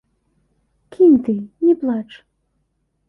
- Кiнь ты, не плач.